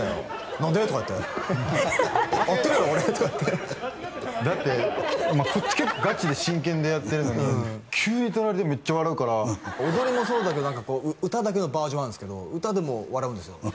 「何で？」とかいって「合ってるやろ俺」とかいってだってこっち結構ガチで真剣でやってるのに急に隣でメッチャ笑うから踊りもそうだけど歌だけのバージョンなんですけど歌でも笑うんですよ